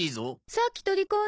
さっき取り込んだ。